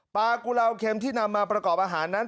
กุลาวเค็มที่นำมาประกอบอาหารนั้น